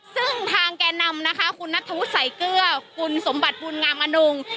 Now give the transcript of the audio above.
ซึ่งทางแก่นำนะคะคุณนัทธวุฒิสายเกลือคุณสมบัติบุญงามอนง